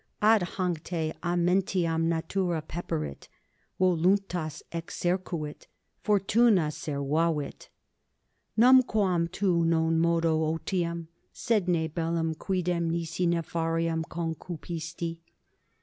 Ad hanc te amentiam natura peperit, voluntas exercuit, fortuna servavit. Numquam tu non modo otium, sed ne bellum quidem nisi nefarium concupisti.